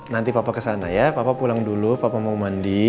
nanti papa kesana ya papa pulang dulu papa mau mandi